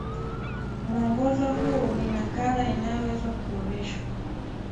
Mwongozo huu ni nakala inayoweza kuboreshwa